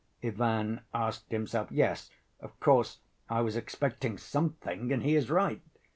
Ivan asked himself. "Yes, of course, I was expecting something and he is right...."